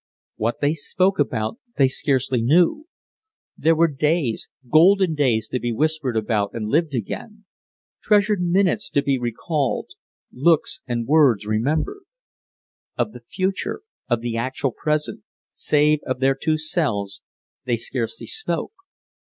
What they spoke about they scarcely knew! There were days, golden days to be whispered about and lived again; treasured minutes to be recalled, looks and words remembered. Of the future, of the actual present, save of their two selves, they scarcely spoke.